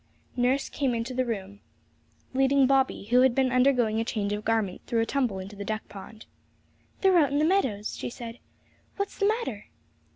Nurse came into the room, leading Bobby, who had been undergoing a change of garments through a tumble into the duck pond. 'They're out in the meadows,' she said; 'what's the matter?'